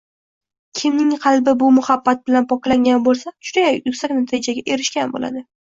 Kimning qalbi bu muhabbat bilan poklangan bo‘lsa juda yuksak darajaga erishgan bo‘ladi